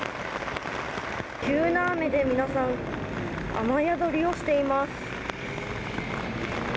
急な雨で、皆さん雨宿りをしています。